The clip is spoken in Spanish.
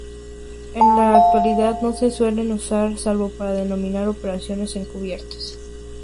En la actualidad no se suelen usar salvo para denominar operaciones encubiertas.